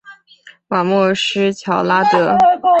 瓦莫什乔拉德。